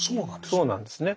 そうなんですね。